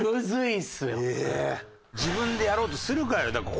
自分でやろうとするから。